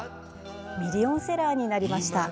ミリオンセラーになりました。